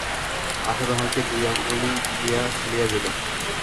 আশা তাহাকে দুই অঙ্গুলি দিয়া ঠেলিয়া দিল।